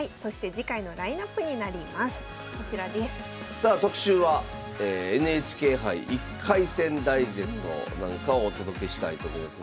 さあ特集は「ＮＨＫ杯１回戦ダイジェスト」なんかをお届けしたいと思います。